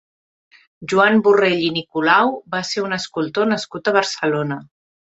Joan Borrell i Nicolau va ser un escultor nascut a Barcelona.